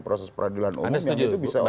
proses peradilan umum yang bisa orang melakukan